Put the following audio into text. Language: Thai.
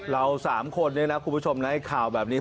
เรา๓คนเนี่ยนะคุณผู้ชมนะไอ้ข่าวแบบนี้